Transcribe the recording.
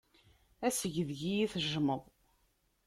Ass deg iyi-tejjmeḍ.